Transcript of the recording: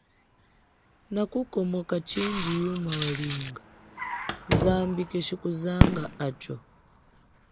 Nakukomoka chindji yuma walinga zambi keshi kuzanga acho.